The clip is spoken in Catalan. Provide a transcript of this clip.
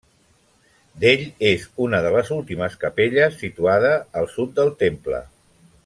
D'ell és una de les últimes capelles, situada al sud del temple.